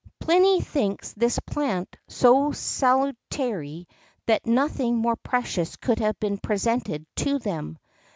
Pliny thinks this plant so salutary that nothing more precious could have been presented to them.